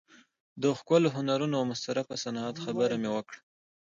د ښکلو هنرونو او مستطرفه صنعت خبره مې وکړه.